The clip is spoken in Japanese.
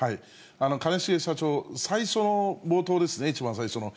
兼重社長、最初の冒頭ですね、一番最初の。